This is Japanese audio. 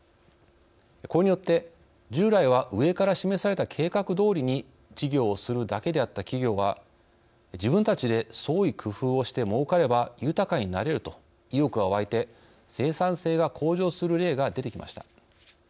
これによって従来は上から示された計画どおりに事業をするだけであった企業は「自分たちで創意工夫をしてもうかれば豊かになれる」と意欲が湧いて生産性が向上する例が出てきました。